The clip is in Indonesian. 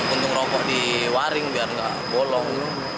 untuk ngerokok di waring biar tidak bolong